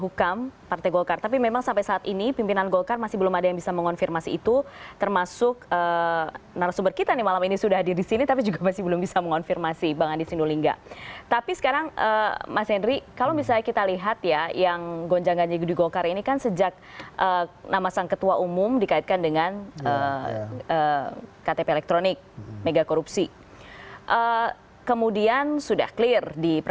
untukpl gesundheits gokar black malaysian samang publicew asal tetaya sep